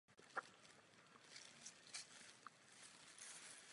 Vesnice funguje jako kibuc a zemědělství si zachovává svou roli v místní ekonomice.